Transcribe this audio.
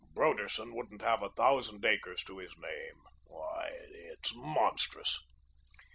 Broderson wouldn't have a thousand acres to his name. Why, it's monstrous."